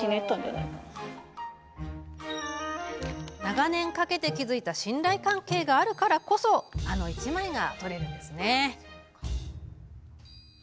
長年かけて築いた信頼関係があるからこそあの１枚が撮れるんですね。